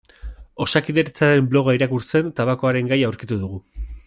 Osakidetzaren bloga irakurtzen tabakoaren gaia aurkitu dugu.